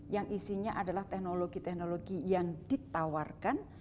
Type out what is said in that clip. yang isinya adalah teknologi teknologi yang ditawarkan